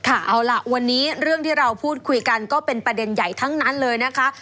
เอาล่ะวันนี้เรื่องที่เราพูดคุยกันก็เป็นประเด็นใหญ่ทั้งนั้นเลยนะคะ